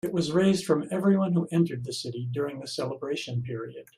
It was raised from everyone who entered the city during the celebration period.